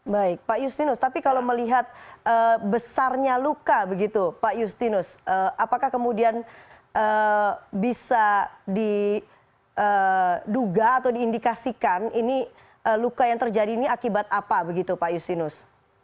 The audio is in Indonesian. baik pak justinus tapi kalau melihat besarnya luka begitu pak justinus apakah kemudian bisa diduga atau diindikasikan ini luka yang terjadi ini akibat apa begitu pak justinus